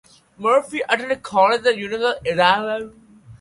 Murphy attended college at the University of Idaho.